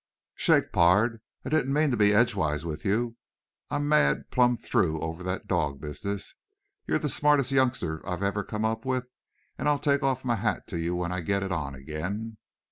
"Shake, pard. I didn't mean to be edgewise with you. I'm mad plumb through over that dog business. You're the smartest youngster I've ever come up with and I'll take off my hat to you when I get it on again."